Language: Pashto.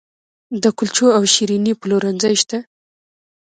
د کلچو او شیریني پلورنځي شته